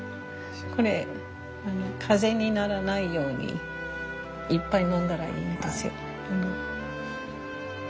これ風邪にならないようにいっぱい飲んだらいいんですよ。